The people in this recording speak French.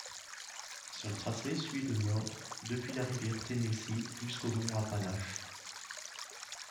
Son tracé suit le nord depuis la rivière Tennessee jusqu'aux monts Appalaches.